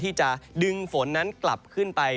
ที่จะดึงฝนนั้นกลับขึ้นไป